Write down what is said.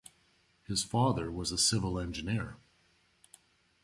His father was a civil engineer.